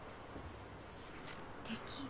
敵？